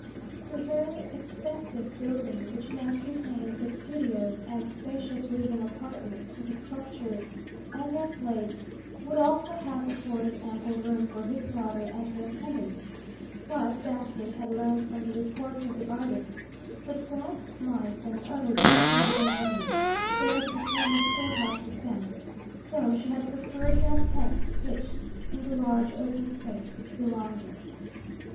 The very extensive building which now contained the studios and spacious living apartments for the sculptors and their slaves would also have afforded ample room for his daughter and her attendants, but Daphne had learned from the reports of the artists that rats, mice, and other disagreeable vermin shared the former storehouse with them, so she had preferred to have tents pitched in the large open space which belonged it.